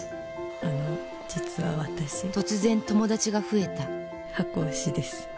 あの実は私突然友達が増えた箱推しです。